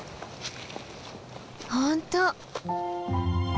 本当！